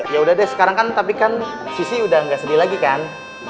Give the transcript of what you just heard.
yaudah deh sekarang kan tapi kan sisi udah gak sedih lagi kan